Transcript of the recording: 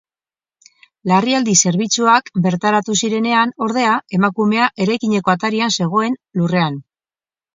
Larrialdi zerbitzuak bertaratu zirenean, ordea, emakumea eraikineko atarian zegoen, lurrean.